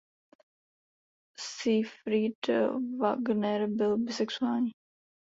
Siegfried Wagner byl bisexuální.